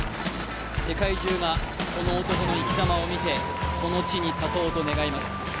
世界中がこの男の生きざまを見て、この地に立とうと願います。